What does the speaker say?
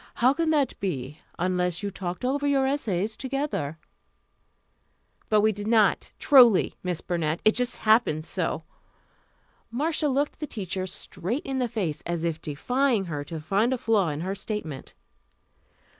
How could that be, unless you talked over your essays together?" "But we did not, truly, Miss Burnett. It just happened so." Marcia looked the teacher straight in the face, as if defying her to find a flaw in her statement.